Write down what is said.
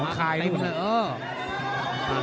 ขาดใกล้ด้วย